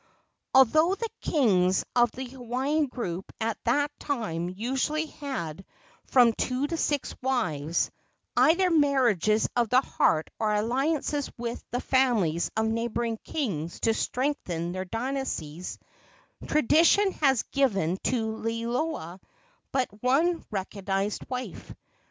Although the kings of the Hawaiian group at that time usually had from two to six wives either marriages of the heart or alliances with the families of neighboring kings to strengthen their dynasties tradition has given to Liloa but one recognized wife.